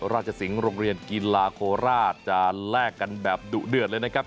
สิงห์โรงเรียนกีฬาโคราชจะแลกกันแบบดุเดือดเลยนะครับ